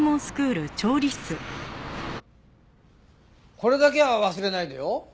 これだけは忘れないでよ。